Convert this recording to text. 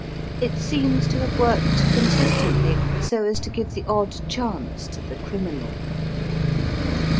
It seems to have worked consistently, so as to give the odd chance to the criminal.